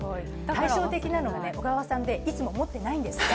対照的なのは小川さんで、いつも持ってないんですって。